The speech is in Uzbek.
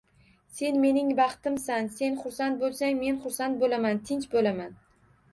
Sen mening baxtimsan, sen xursand bo`lsang, men xursand bo`laman, tinch bo`laman